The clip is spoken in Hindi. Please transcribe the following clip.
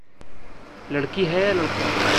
लड़की है या लड़का?